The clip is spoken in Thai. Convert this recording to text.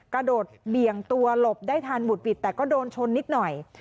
กระโดดเบี่ยงตัวหลบได้ทันบุดหวิดแต่ก็โดนชนนิดหน่อย